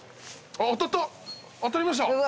当たりました。